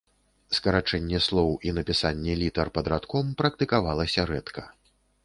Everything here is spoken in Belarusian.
Скарачэнне слоў і напісанне літар пад радком практыкавалася рэдка.